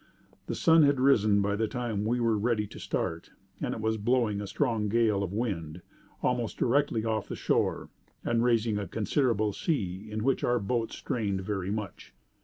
The sun had risen by the time we were ready to start; and it was blowing a strong gale of wind, almost directly off the shore, and raising a considerable sea, in which our boat strained very much.